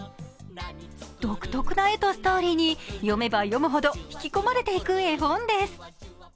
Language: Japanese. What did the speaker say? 独特な絵とストーリーに読めば読むほど引き込まれていく絵本です。